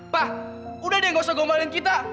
pak udah deh nggak usah gombalin kita